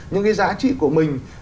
những cái giá trị của mình